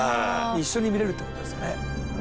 一緒に見れるって事ですよね」